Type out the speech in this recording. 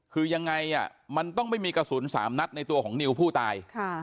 คือยังไงมันต้องไม่มีกระสุน๓นัดในตัวของนิวผู้ตาย